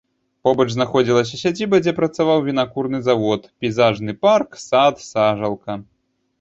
Побач знаходзіліся сядзіба, дзе працаваў вінакурны завод, пейзажны парк, сад, сажалка.